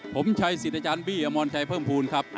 ผมชัยสิทธิ์อาจารย์บี้อมรชัยเพิ่มภูมิครับ